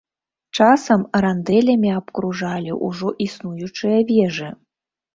Часам рандэлямі абкружалі ўжо існуючыя вежы.